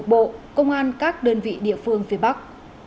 các đơn vị trực thu phục bộ công an các đơn vị địa phương phía bắc